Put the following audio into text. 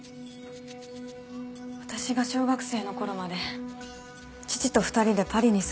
私が小学生の頃まで父と２人でパリに住んでました。